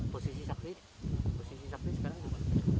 posisi saksi sekarang di semarang